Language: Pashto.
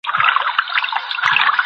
د ذمي د حقونو ساتنه پر مسلمانانو فرض ده.